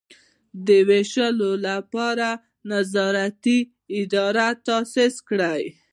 د ویشلو لپاره یې نظارتي ادارې تاسیس کړي.